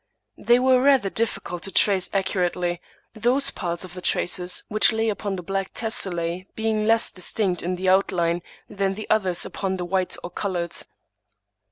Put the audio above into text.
They were rather difficult to trace accurately ; those parts of the traces which lay upon the black tessellce being less distinct in the outline than the others upon the white or colored.